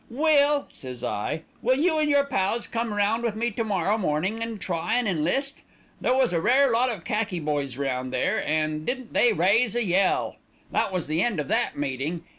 "'Well,' says I, 'will you and your pals come round with me to morrow morning an' try and enlist?' There was a rare lot of khaki boys round there, and didn't they raise a yell. That was the end of that meeting.